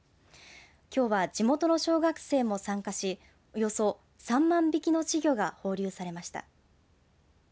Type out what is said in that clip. きょうは地元の小学生も参加しおよそ３万匹の稚魚が放流されました。